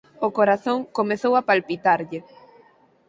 O corazón comezou a palpitarlle.